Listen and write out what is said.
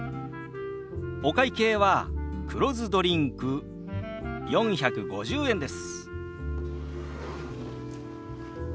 お会計は黒酢ドリンク４５０円です。